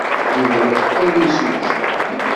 Yuba yeqqel d imsujji.